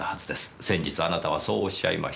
先日あなたはそうおっしゃいました。